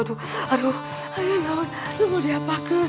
ayah laun lo mau dia apa